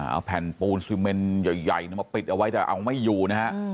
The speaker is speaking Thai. เอาแผ่นปูนซีเมนใหญ่มาปิดเอาไว้แต่เอาไม่อยู่นะฮะ